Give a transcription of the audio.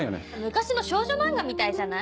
昔の少女漫画みたいじゃない？